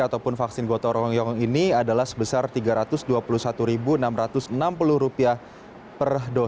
ataupun vaksin gotong royong ini adalah sebesar rp tiga ratus dua puluh satu enam ratus enam puluh